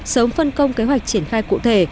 sớm phân công kế hoạch triển khai cụ thể